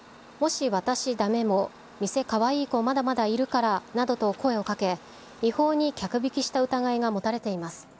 もし私だめでも店かわいい子まだまだいるからなどと声をかけ、違法に客引きした疑いが持たれています。